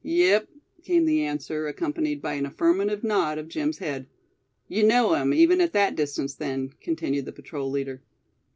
"Yep," came the answer, accompanied by an affirmative nod of Jim's head. "You know him, even at that distance, then?" continued the patrol leader.